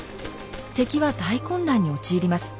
敵は大混乱に陥ります。